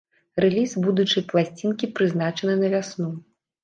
Рэліз будучай пласцінкі прызначаны на вясну.